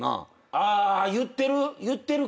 あ言ってる。